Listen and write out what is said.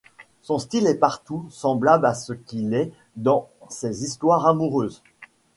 Son style est partout semblable à ce qu'il est dans ses histoires amoureuses.